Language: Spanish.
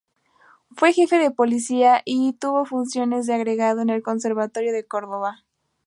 Fue jefe de policía y tuvo funciones de agregado en el Observatorio de Córdoba.